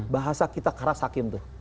bahasa kita keras hakim tuh